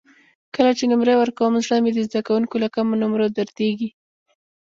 کله چې نمرې ورکوم زړه مې د زده کوونکو له کمو نمرو دردېږي.